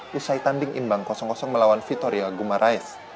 di saitanding imbang melawan vitoria gumaraes